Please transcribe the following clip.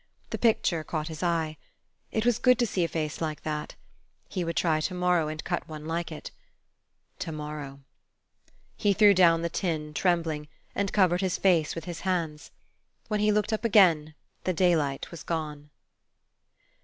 The picture caught his eye. It was good to see a face like that. He would try to morrow, and cut one like it. To morrow! He threw down the tin, trembling, and covered his face with his hands. When he looked up again, the daylight was gone.